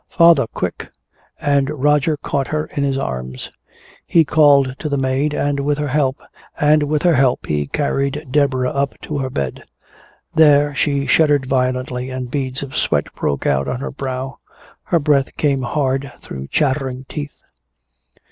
"Father! Quick!" And Roger caught her in his arms. He called to the maid, and with her help he carried Deborah up to her bed. There she shuddered violently and beads of sweat broke out on her brow. Her breath came hard through chattering teeth.